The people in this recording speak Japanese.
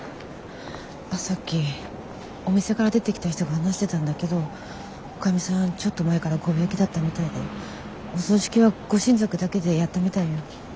あっさっきお店から出てきた人が話してたんだけどおかみさんちょっと前からご病気だったみたいでお葬式はご親族だけでやったみたいよ。